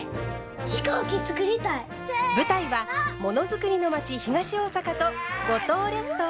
舞台はものづくりの町東大阪と五島列島。